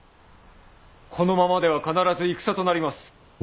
このままでは必ず戦となります。